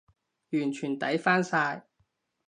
完全抵返晒